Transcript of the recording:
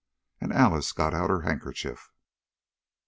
and Alice got out her handkerchief.